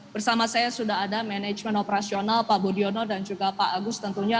bersama saya sudah ada manajemen operasional pak budiono dan juga pak agus tentunya